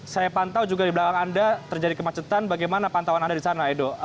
saya pantau juga di belakang anda terjadi kemacetan bagaimana pantauan anda di sana edo